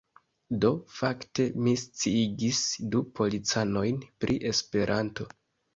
Do, fakte, mi sciigis du policanojn pri Esperanto